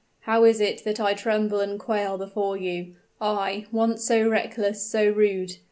How is it that I tremble and quail before you I, once so reckless, so rude.